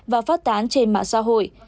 và phát tán trên mạng xã hội